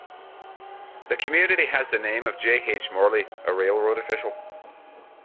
The community has the name of J. H. Morley, a railroad official.